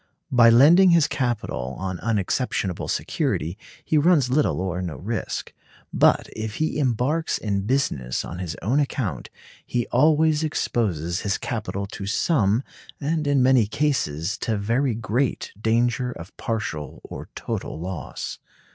By lending his capital on unexceptionable security he runs little or no risk. But if he embarks in business on his own account, he always exposes his capital to some, and in many cases to very great, danger of partial or total loss.